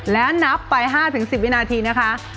และนับไป๕๑๐วินาทีนะคะ